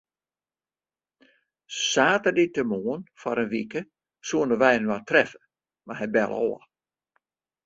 Saterdeitemoarn foar in wike soene wy inoar treffe, mar hy belle ôf.